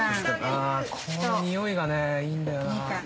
この匂いがねいいんだよなぁ。